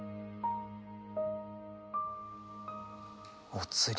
お釣り。